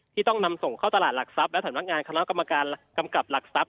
ต้องนำส่งเข้าตลาดหลักทรัพย์และสำนักงานคณะกรรมการกำกับหลักทรัพย